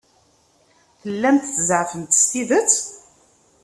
Tellamt tzeɛfemt s tidet?